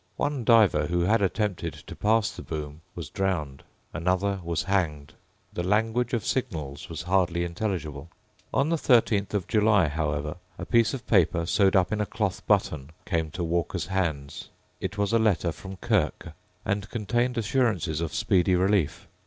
One diver who had attempted to pass the boom was drowned. Another was hanged. The language of signals was hardly intelligible. On the thirteenth of July, however, a piece of paper sewed up in a cloth button came to Walker's hands. It was a letter from Kirke, and contained assurances of speedy relief.